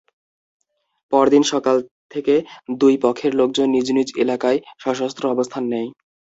পরদিন সকাল থেকে দুই পক্ষের লোকজন নিজ নিজ এলাকায় সশস্ত্র অবস্থান নেয়।